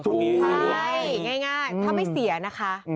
ใช่ง่ายถ้าไม่เสียนะคะ